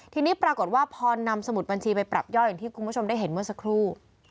ทีนี้ปรากฏว่าพอนำสมุดบัญชีไปปรับย่อยอย่างที่คุณผู้ชมได้เห็นเมื่อสักครู่